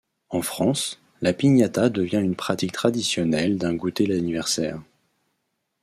En France, la piñata devient une pratique traditionnelle d'un goûter d'anniversaire.